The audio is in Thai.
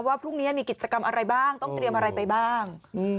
ว่าพรุ่งนี้มีกิจกรรมอะไรบ้างต้องเตรียมอะไรไปบ้าง